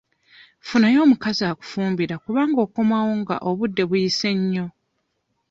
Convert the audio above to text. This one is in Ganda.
Funayo omukazi akufumbira kubanga okomawo nga obudde buyise nnyo.